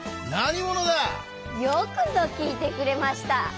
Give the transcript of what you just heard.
よくぞきいてくれました！